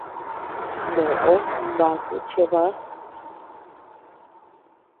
Noʼó nbaku chebä.